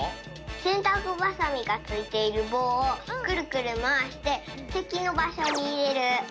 せんたくバサミがついているぼうをくるくるまわしててきのばしょにいれる！